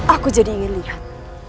aku jadi ingin lihat